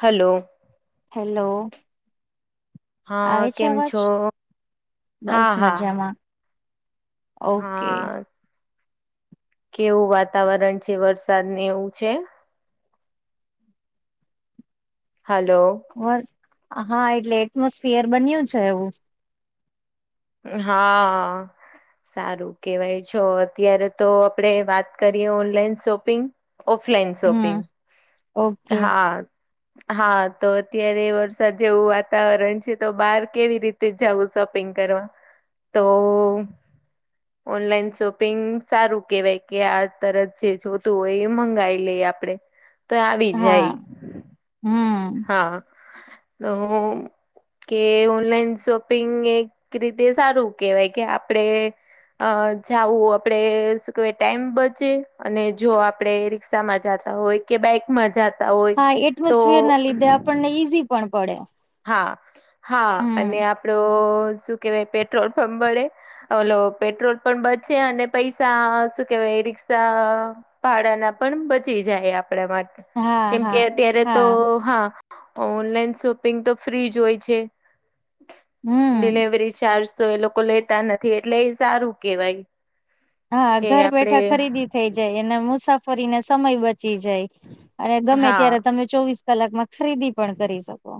Hello. Hello. હા આવે છે કેમ અવાજ? છો બસ હા હા મજામાં. ઓકે. હા કેવું વાતાવરણ છે વરસાદ ને એવું છે? હલો. વસ હા એટલે એટમોસફિયર બન્યું છે એવું. હા... સારું કેવાય છ અત્યારે તો આપડે વાત કરીએ ઓનલાઈન શોપિંગ. Offline shopping. હમ ઓકે હા. હા, તો અત્યારે વરસાદ જેવું વાતાવરણ છે તો બહાર કેવી રીતે જવું શોપિંગ કરવા. તો.. ઓનલાઈન શોપિંગ સારું કેહેવાય કે, આ તરત જે જોતું હોય એ મંગાવી લઈ આપડે. તો આવી હા જાય. હમ. હા તો કે ઓનલાઈન શોપિંગ એક રીતે સારું કેહેવાય કે આપડે અ જાવું આપડે શું કેહેવાય ટાઈમ બચે અને જો આપડે રિ કસામાં જાતા હોય કે બાઇકમાં જા હા એટમોસફિયરના લીધે એ આપણને ઈઝી પણ પડે. હા હા અને હમ આપણો શું કેહેવાય પેટ્રોલ પણ બળે ઓલો પેટ્રોલ પણ બચે અને પૈસા શું કેવાય રિક્ષા ભાડાના પણ બચી જાય આપણા માટે. હા કેમકે હા અત્યારે તો હા હા ઓનલાઈન શોપિંગ તો ફ્રી જ હોય છે. હમ ડિલવરી ચાર્જ તો એ લોકો લેતા નથી એટલે એ સારું કેવાય. હા ઘર બેઠા ખરીદી થઈ જાય, અને મુસાફરીને સમય બચી જાય અને ગમે હા ત્યારે તમે ચોવીસ કલાકમાં ખરીદી પણ કરી શકો.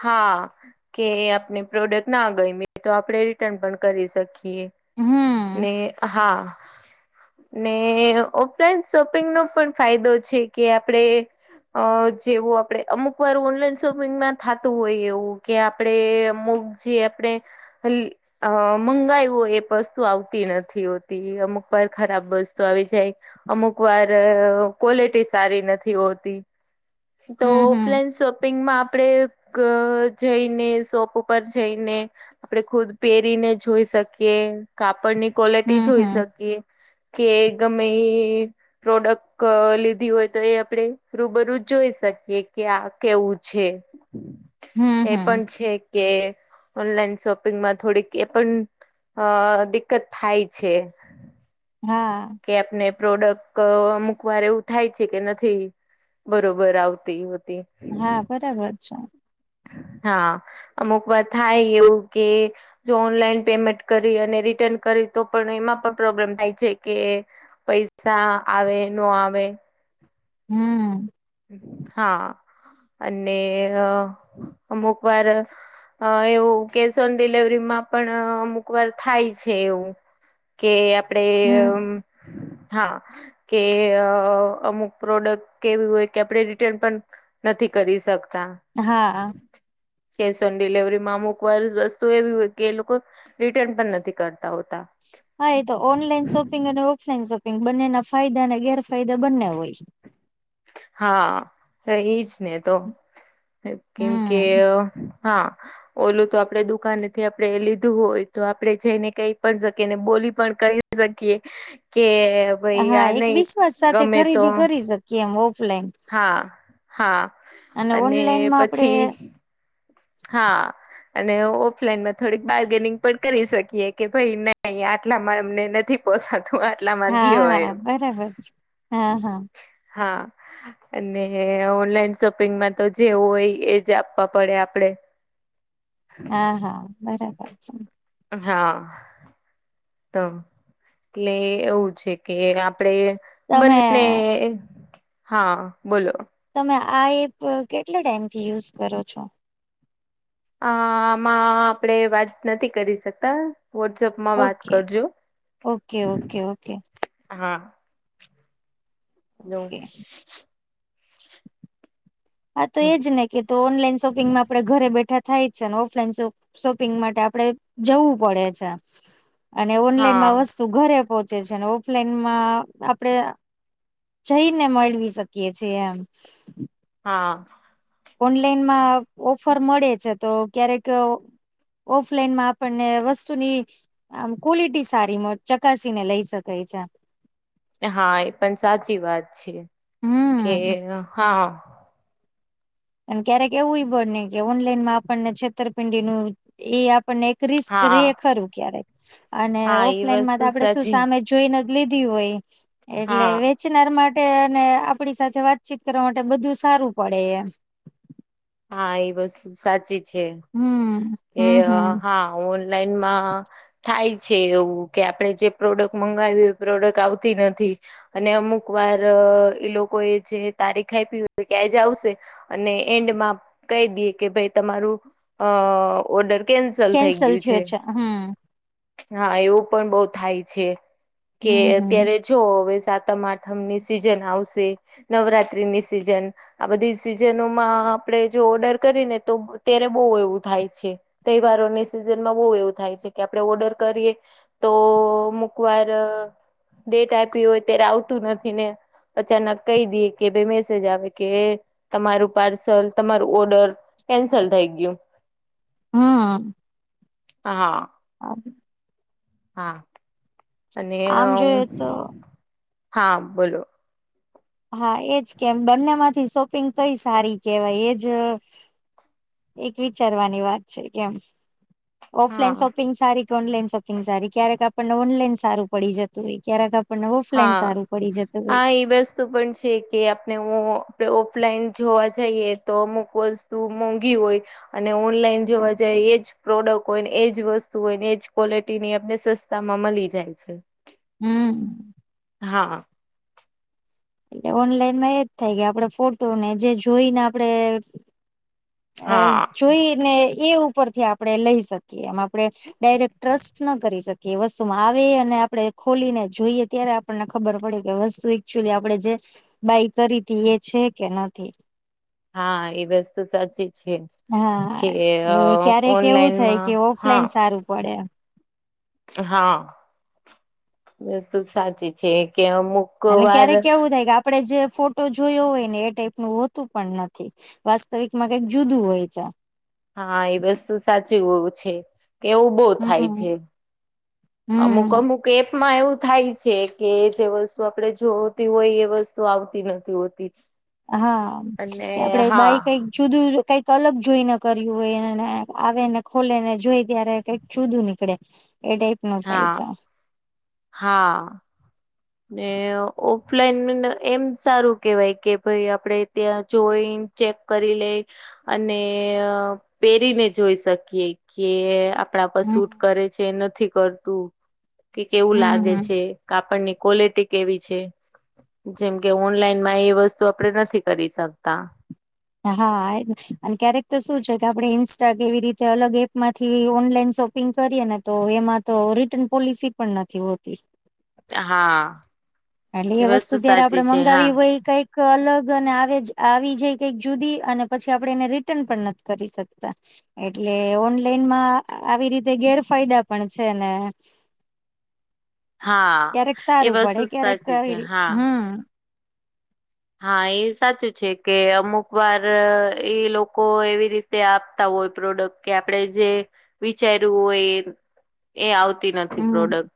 હા. કે આપણે પ્રોડક્ટ ના ગઈમી તો આપણેે રિટર્ન પણ કરી શકીએ. હમ ને હા. ને ઓફલાઈન શોપિંગ નો પણ ફાયદો છે કે આપણેે અ જેવું આપણે અમુક વાર ઓનલાઈન શોપિંગમાં થતું હોય એવું કે આપણે અમુક જે આપણે. એ અ મંગાયું એ વસ્તુ આવતી નથી હોતી અમુક વાર ખરાબ વસ્તુ આવી જાય. અમુક વાર ક્વોલિટી સારી નથી હોતી. તો હમ હમ ઓફલાઈન શોપિંગમાં આપણે જઈને શોપ ઉપર જઈને. આપડણે ખુદ પહેરીને જોઈ શકીએ કાપડની ક્વોલિટી હમ જોઈ હમ શકીએ. કે ગમે એ પ્રોડક્ટ લીધી હોય તો એ આપણેે રૂબરૂ જોઈ શકીએ. એ ક્યા કેવું છે, હમ એ હમ પણ છે. કે ઓનલાઈન શોપિંગમાં થોડીક એ પણ હ દિક્કત થાય છે. હા. કે આપને પ્રોડક્ટ અમુક વાર એવું થાય છે કે નથી. બરોબર આવતી હોતી. હા બરાબર છે. હા અમુક વાત થાય એવું કે જો ઓનલાઈન પેમેન્ટ કરી અને રિટર્ન કરી તો પણ એમાં પણ પ્રોબ્લેમ થાય છે કે પૈસા આવે ન આવે. હમ. હા, અને અમુક વાર અ એવું કેશ ઓન ડિલવરી માં પણ અમુક વાર થાય છે એવું. કે આપડે હમ હા કે અમુક પ્રોડક્ટ કેવી હોય. કે આપણે રિટન પણ નથી કરી શકતા. હા. કેશ ઓન ડિલવરીમાં અમુક વાર વસ્તુ એવી હોય કે એ લોકો રિટર્ન પણ નથી કરતા હોતા. આ તો ઓન લઈન શોપ શોપિંગ અને ઓફલાઈન શોપિંગ બંનેના ફાયદા અને ગેરફાયદા બંને હોય છે. હા એજ ને તો કેમ કે હમ હા. ઓલું તો આપડે દુકાનેથી આપણે લીધું હોય તો આપડે જઈને કઈ પણ શકીને બોલી પણ ક શકીએ કે ભાઈ હા આ એક નહી વિશ્વાસ સાથે ગમે તો ખરીદી કરી શકીએ એમ ઓફલાઈન. હા હા, અને ઓનલાઈનમાં આપડે પછી હા. અને ઓફલાઈનમાં થોડીક બાર્ગેનિંગ પણ કરી શકીએ કે ભાઈ નહી આટલામાં અમને નથી પોસાતું આટલા માંંધી હા હોય હા એમ. બરાબર છે હા હા હા, અને ઓનલાઈન શોપિંગમાં તો જેવું હોય એ જ આપવા પડે. આપડે. હા હા બરાબર છે. હા. ત મ એટલે એવું છે કે આપડે તમે બંને હા બોલો. તમે આ એપ કેટલા ટાઈમ થી યુઝ કરો છો? અ આમાં આપણે વાત નથી કરી શકતાં. વોટ્સએપમાં વાત ઓકે કરજો. ઓકે ઓકે ઓકે હા. ઓકે હા તો એજ ને કે તો ઓનલાઈન શોપિંગમાં આપણે ઘરે બેઠા થાય જ છે ને ઓફલાઈન શોપિંગ માટે આપણે જવું પડે છે. અને હા ઓનલાઈનમાં વસ્તુ ઘરે પહોંચે છે અને ઓફલાઈનમાં આપણે જઈને મળવી શકીએ છીએ એમ. હા ઓનલાઈનમાં ઓફર મળે છે તો ક્યારેક ઓફલાઈન માં આપણને વસ્તુની આમ ક્વોલિટી સારીમાં ચકાસીને લઈ શકાય છે. હા એ પણ સાચી વાત છે કે હમ હા! અને ક્યારેક એવુંય બને કે ઓનલાઈનમાં આપણને છેતરપિંડીનું એ આપ એક રિસ્ક રે હા ખરું ક્યારેક અને હા એ વસ્તુ ઓફલાઈનમાં આપણેે શું સાચી સામે જોઈને જ લીધી હોય એટલે હા વેચનાર માટે અને આપણી સાથે વાતચીત કરવા માટે બધું સારું પડે એમ. હા એ વસ્તુ સાચી છે હમ કે હમ હમ હા, ઓનલાઈનમાં થાય છે એવું કે આપણે જે પ્રોડક્ટ મંગાવ્યું એ પ્રોડક્ટ આવતી નથી. અને અમુક વાર એ લોકો એ જે તારીખ આપી હોય કે આજે આવશે અને એન્ડમાં કહી દઈએ કે ભાઈ તમારું ઓર્ડર કેન્સલ થઈ ગયું છે. હા એવું પણ બઉ થાય છે કે હમ હમ અત્યારે જો હવે સાતમ આઠમની સિઝન આવશે. નવરાત્રીની સિઝન આ બધી સિઝનોમાં આપણે જો ઓર્ડર કરી ને તો અત્યારે બ ઉ એવું થાય છે. તહેવારોની સિઝનમાં બહુ એવું થાય છે કે આપણે ઓર્ડર કરીએ. તો અમુક વાર ડેટ આપી હોય ત્યારે આવતું નથી ને અચાનક કહી દઈએ કે ભઈ મેસેજ આવે કે તમારું પાર્સલ તમારું ઓર્ડર કેન્સલ થઈ ગયું. હા હ હા હા હા અને આમ જોયું તો હા બોલો? હા એજ કેમ બંને માંથી શોપિંગ કઈ સારી કેહેવાય એજ એક વિચારવાની વાત છે કેમ ઓફલાઈન હા શોપિંગ સારી ઓનલાઈન શોપિંગ સારી ક્યારેક આપણને ઓનલાઈન સારું પડી જતું હોય ક્યારેક પણ ઓફલાઈન સારું પડી જતું હોય. વ પણ છે કે આપણે આપણે ઓફલાઈન જોવા જઈએ તો અમુક વસ્તુ મોંઘી હોય. અને ઓનલાઈન જોવા જઈ એ જ પ્રોડક્ટ હોય ને એજ વસ્તુ હોય ને એજ ક્વોલિટી ની અમને સસ્તામાં મળી જાય છે. હમ હા એટલે ઓનલાઈનમાં એજ થાય કે આપડ ફોટો ને જે જોઈને આપણેે અ હા જોઈને એ ઉપરથી આપણેે લઈ શકીએ એમ આપણે ડાયરેક્ટ ટ્રસ્ટ ન કરી શકીએ એ વસ્તુમાં આવે અને આપણે ખોલીને જોઈએ ત્યારે આપણને ખબર પડી કે વસ્તુ એકચુલી આપણે જે બાય કરી હતી એ છે કે નથી. હા એ વસ્તુ સાચી છે. હા કે એ ક્યારેક એવું થાય ઓનલાઈનમાં કે હા ઓફલાઈન સારું પડે. હા બતુ સાચી છે કે અમુક અને વાર ક્યારેક એવું થાય કે આપડણે જે ફોટો જોયો હોય ને એ ટાઈપનુ હોતું પણ નથી. વાસ્તવિક માં કઈક જુદું હોય છે. હા એ વસ્તુ સાચું એું છે કેવું.? ઉભો થાય હમ્મ છે અમુક હમ્મ અમુક. કેપમાં એવું થાય છે કે જે વસ્તુ આપડે જોતી હોય એ, વસ્તુ આવતી નથી હોતી. [unintelligible] હા, અને કે આપડે હા બાઈ કંઈ જુદું કંઈક અલગ જોઈને કર્યું હોયને, આવે ને, ખોલે ને જોઈ ત્યારે કંઈક જુદું નીકળે. એડ. હા, હા. ને ઓફલાઈન એમ સારું કેવાય કે ભાઈ, આપડે ત્યાં જોઈ ચેક કરી લે અને પહેરીને જોઈ શકીએ કે આપ કપડાં પર હમ્મ સૂટ કરે છે, નથી કરતું કે કેવું હમ્મ લાગે હમ્મ છે, કાપડને કપડાં. ક્વલિટી કેવી છે, જેમ કે ઓનલાઈનમાં એ વસ્તુ આપણે નથી કરી શકતાં. હા, અને ક્યારેક તો શું છે કે આપણે ઇન્સ્ટા કેવી રીતે અલગ એપ માંથી ઓનલાઈન શોપિંગ રીગ કરીે ને, તો એમાં તો રિટર્ન પોલિસી પણ નથી હોતી. હા. એટલે એ વસ્તુ જયારે આપડે સાચી છે હા મંગાવી હોય કંઈક અલગ અને આવી જાય કંઈક જુદી, અને પછી આપણેે એને રિટર્ન પણ નથી કરી શકતા. એટલે ઓનલાઈનમાં આવી રીતે ગેરફાયદા પણ છે ને. હા, ક્યારેક એ સારું પડે બધું ક્યારેક સાચી છે, આવી રી હા. હમ હા, એ સાચું છે કે અમુક વાર એ લોકો એવી રીતે તે આપતા હોય પ્રોડક્ટ, કે આપણે જે વિચાર્યું હોય એ એ આવતી નથી હમ પ્રોડક્ટ.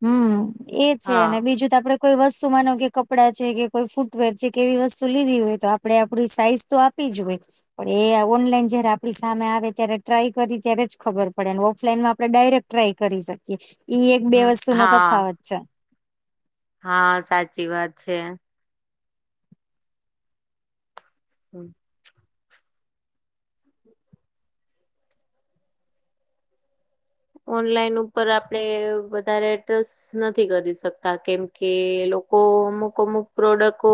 હમ, એ છે હા અને બીજું આપડે કોઈ વસ્તુ માનો કે કપડાં છે કે કોઈ ફૂટવેર છે, કેવી વસ્તુ લીધી હોય તો આપણે આપડે આપડી સાઈઝ તો આપી જો હોય. પણ એ ઓનલાઈન જયારે આપણી સામે આવે ત્યારે ટ્રાય કરી ત્યારે જ ખબર પડે, અને ઓફલાઈનમાં આપણે ડાયરેક્ટ ટ્રાય કરી શકીએ, ઈ એક બે હમ વસ્તુ નો હા તફાવત છે. હા, સાચી વાત છે. હમ. ઓનલાઈન ઉપર આપણે વધારે એડ્રેસ નથી કરી શકતા, કેમકે લોકો અમુક અમુક પ્રોડક્ટ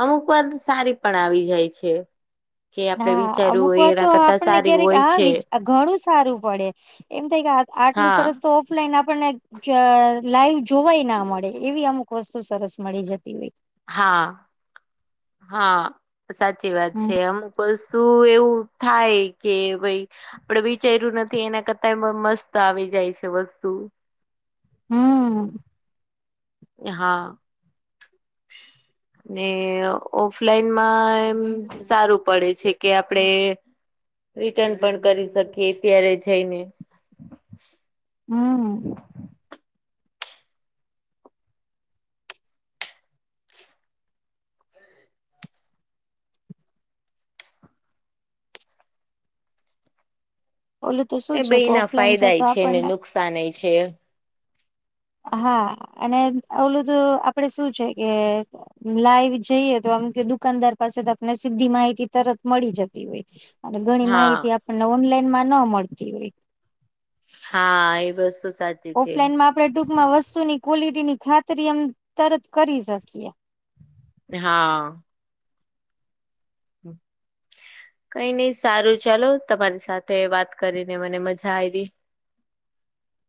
અમુક વાર સારી પણ આવી જાય છે. કે આપડે હા, વિચાર્યું અમુક હોય વાર તો એના કરતા આપણને સારી ક્યારેક હોય છે આવી જ ઘણું સારું પડે એમ થાય કે આટલું હા સરસ તો ઓફલાઈન આપણે આપને લાઈવ જોવાય ના મળે એવી અમુક વસ્તુ સરસ મળી જતી હોય. હા હા, સાચી વાત હમ છે અમુક. પછી એવું થાય કે ભાઈ. પણ વિચાર્યું નથી એના કરતાય મસ્ત આવી જાય છે વસ્તુ. હમ. હા. ને ઓફલાઈનમાં એમ સારું પડે છે કે આપડે. રિટર્ન પણ કરી શકીએ, અત્યારે જઈને. હમ. ઓલું તો એ શું છે ભાઈ કે એના ઓફલાઈન ફાયદા તો છે ને આપણને નુકસાન છે. હા, અને ઓલું તો આપડે શું છે કે લાઈવ જઈએ તો આમ કે દુકાનદાર પાસે આપને સીધી માહિતી તરત મળી જતી હોય. અને ઘણી હા માહિતી આપણને ઓનલાઈન માં ન મળતી હોય. હા એ બસ તો સાચ ઓફલાઈનમાં આપણે ટૂંકમાં વસ્તુની ક્વોલિટી ની ખાતરી એમ તરત કરી શકીએ. હા. હમ. કંઈ નઈ, સારું ચાલો. તમારી સાથે વાત કરીને મને મજા આવી.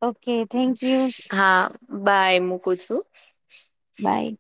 ઓકે થેન્ક યુ હા, બાય, મૂકું છું. બાય.